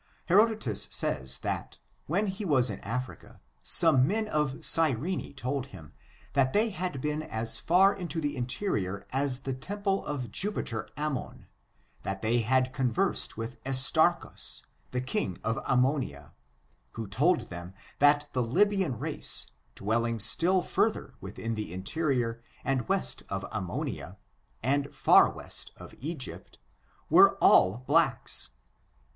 Herodotus says that, when he was in Africa, some men of Gyrene told him that they had been as fat into the interior as the temple of Jiipiter Ammon, that they had conversed with EstarchuSj the king of Ammonia, who told them that the Lybian race, dwelling still further within the interior, and west of Ammonia, and far west of Egypt, were all blacks.